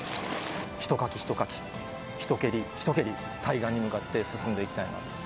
ひとかきひとかき、ひと蹴りひと蹴り、対岸に向かって進んでいきたいなと。